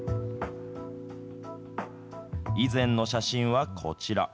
以前の写真はこちら。